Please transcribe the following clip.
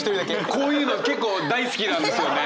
こういうのが結構大好きなんですよね！